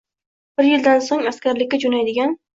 Bir yildan so'ng askarlikka jo'naydigan